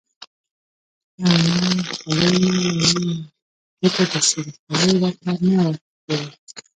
یو نوی خولۍ مې رانیول، ځکه د سیم خولۍ راته نه ورته کېده.